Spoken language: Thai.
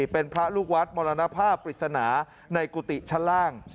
เป็นพระลูกวัดมรณภาพปริศนาในกุฏิชั้นล่าง